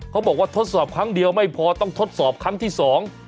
เขาบอกว่าทดสอบครั้งเดียวไม่พอต้องทดสอบครั้งที่สอง